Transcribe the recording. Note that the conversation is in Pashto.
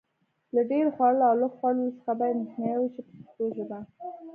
له ډېر خوړلو او لږ خوړلو څخه باید مخنیوی وشي په پښتو ژبه.